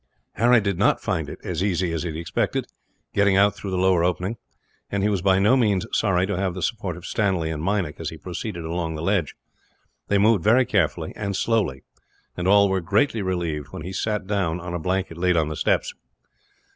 Harry did not find it as easy as he had expected, getting out through the lower opening; and he was by no means sorry to have the support of Stanley and Meinik, as he proceeded along the ledge. They moved very carefully, and slowly; and all were greatly relieved when he sat down, on a blanket laid on the steps.